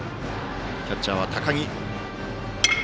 キャッチャーは高木。